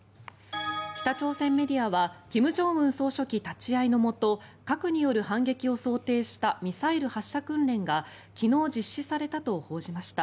北朝鮮メディアは金正恩総書記立ち合いのもと核による反撃を想定したミサイル発射訓練が昨日実施されたと報じました。